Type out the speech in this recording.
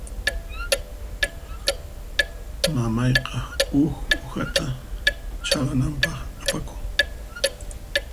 Mamayqa huk uhata chhalananpaq apakun.